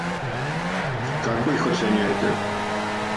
Како их оцењујете?